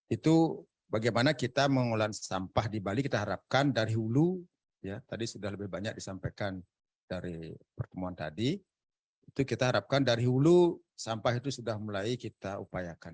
itu bagaimana kita mengolah sampah di bali kita harapkan dari hulu ya tadi sudah lebih banyak disampaikan dari pertemuan tadi itu kita harapkan dari hulu sampah itu sudah mulai kita upayakan